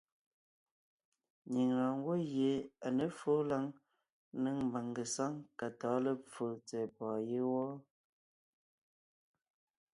Nyìŋ lɔɔn ngwɔ́ gie à ně fóo lǎŋ ńnéŋ mbàŋ ngesáŋ ka tɔ̌ɔn lepfo tsɛ̀ɛ pɔ̀ɔn yé wɔ́.